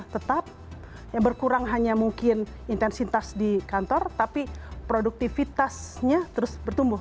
tetap yang berkurang hanya mungkin intensitas di kantor tapi produktivitasnya terus bertumbuh